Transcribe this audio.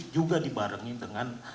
juga dibarengi dengan